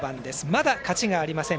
まだ、勝ちがありません。